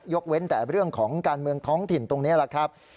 เว้นแต่เรื่องของการเมืองท้องถิ่นตรงนี้แหละครับ